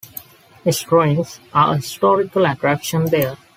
Its ruins are a historic attraction there.